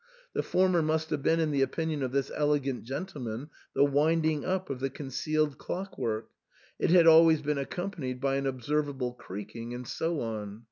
The former must have been, in the opinion of this elegant gentleman, the winding up of the concealed clock work ; it had always been accompanied by an obsenrable creaking, and so on.